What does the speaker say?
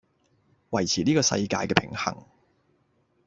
維持呢個世界既平衡